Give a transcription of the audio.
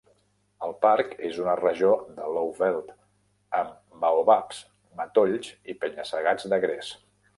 El parc és una regió de Lowveld amb baobabs, matolls i penya-segats de gres.